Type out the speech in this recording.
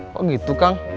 kok gitu kang